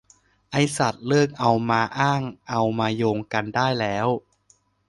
ไอ้สัส เลิกเอามาอ้างเอามาโยงกันได้แล้ว